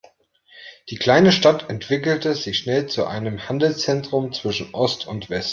Die kleine Stadt entwickelte sich schnell zu einem Handelszentrum zwischen Ost und West.